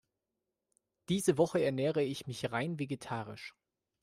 Diese Woche ernähre ich mich rein vegetarisch.